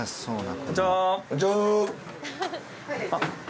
こんちは。